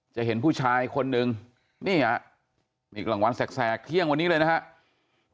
จะเห็นผู้ชายคนหนึ่งอีกหลังวัลแสกเขียงวันนี้เลยนะครับ